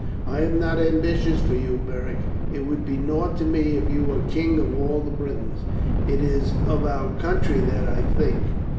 I am not ambitious for you, Beric. It would be nought to me if you were king of all the Britons. It is of our country that I think.